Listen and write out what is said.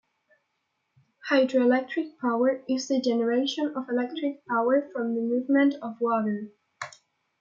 Hydroelectric power is the generation of electric power from the movement of water.